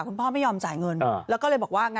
คุณพ่อไม่ยอมจ่ายเงิน